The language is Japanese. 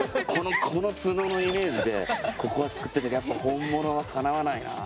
このツノのイメージでここは作ったけどやっぱ本物はかなわないなあ。